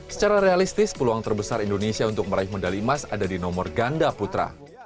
secara realistis peluang terbesar indonesia untuk meraih medali emas ada di nomor ganda putra